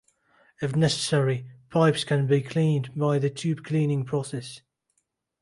If necessary, pipes can be cleaned by the tube cleaning process.